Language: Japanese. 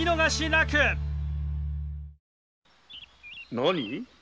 何？